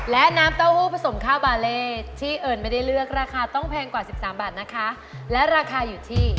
และน้ำเต้าหู้ผสมข้าวบาเล่ที่เอิญไม่ได้เลือกราคาต้องแพงกว่า๑๓บาทนะคะและราคาอยู่ที่